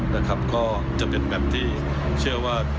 นะครับก็จะเป็นแบบที่เชื่อว่า